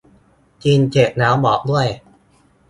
กินเสร็จแล้วบอกด้วย